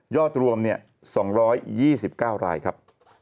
รวม๒๒๙รายครับ